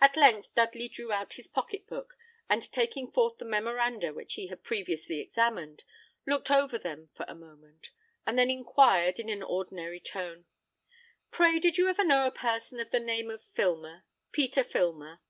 At length Dudley drew out his pocket book, and taking forth the memoranda which he had previously examined, looked over them for a moment, and then inquired, in an ordinary tone, "Pray did you ever know a person of the name of Filmer Peter Filmer?"